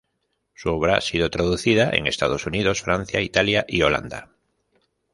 Su obra ha sido traducida en Estados Unidos, Francia, Italia y Holanda.